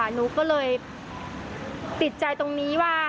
หนูก็เลยติดใจตรงนี้ว่า